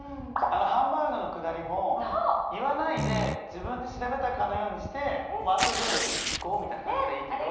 あのハンバーグのくだりも言わないで自分で調べたかのようにしてあとで行こうみたいな感じだったらいいけど。